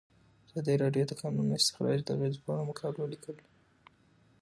ازادي راډیو د د کانونو استخراج د اغیزو په اړه مقالو لیکلي.